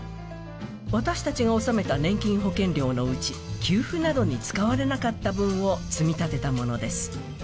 私たちが納めた年金保険料のうち、給付などに使われなかった分を積み立てたものです。